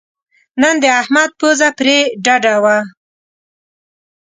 نن د احمد پوزه پرې ډډه وه.